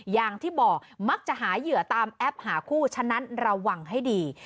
อย่างที่บอกมักจะหาเหยื่อตามแอปหาคู่ฉะนั้นระวังให้ดี